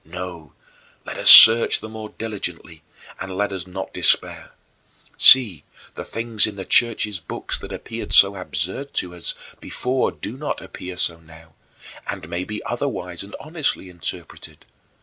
No, let us search the more diligently, and let us not despair. See, the things in the Church's books that appeared so absurd to us before do not appear so now, and may be otherwise and honestly interpreted.